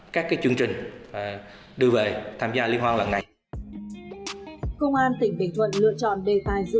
các chương trình đưa về tham gia liên hoan lần này công an tỉnh bình thuận lựa chọn đề tài giữ